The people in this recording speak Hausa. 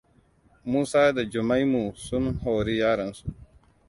Musa da Jummaiamu sun hori yaransu.